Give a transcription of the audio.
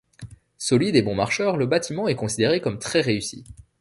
Solide et bon marcheur, le bâtiment est considéré comme très réussi.